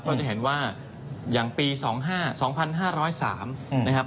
จะเห็นว่าอย่างปี๒๕๒๕๐๓นะครับ